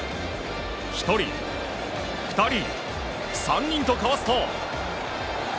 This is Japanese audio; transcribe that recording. １人、２人、３人とかわすと。